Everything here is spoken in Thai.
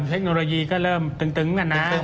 กลุ่มเทคโนโลยีก็เริ่มตึงกันนะตึงมากัน